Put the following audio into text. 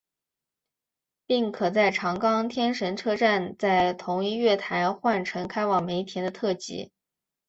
并可在长冈天神车站在同一月台换乘开往梅田的特急。